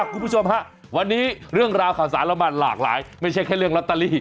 คุณผู้ชมฮะวันนี้เรื่องราวข่าวสารเรามาหลากหลายไม่ใช่แค่เรื่องลอตเตอรี่